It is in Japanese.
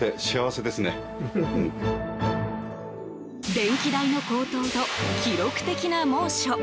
電気代の高騰と記録的な猛暑。